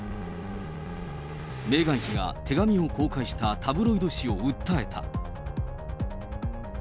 メーガン妃が手紙を公開したタブロイド紙を訴えた。